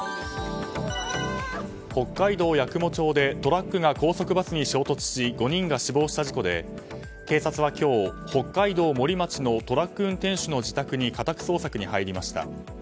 北海道八雲町でトラックが高速バスに衝突し５人が死亡した事故で警察は今日北海道森町のトラック運転手の自宅に家宅捜索に入りました。